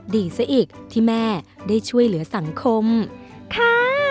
ดีซะอีกที่แม่ได้ช่วยเหลือสังคมค่ะ